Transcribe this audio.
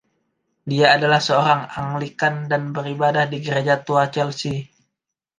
Dia adalah seorang Anglikan dan beribadah di Gereja Tua Chelsea.